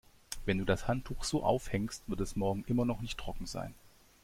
Wenn du das Handtuch so aufhängst, wird es morgen immer noch nicht trocken sein.